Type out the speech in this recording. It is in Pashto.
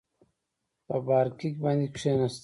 په بارکي باندې کېناست.